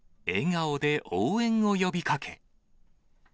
笑顔で応援を呼びかけ。